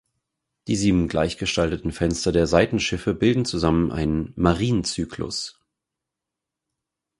Die sieben gleichgestalteten Fenster der Seitenschiffe bilden zusammen einen „Marienzyklus“.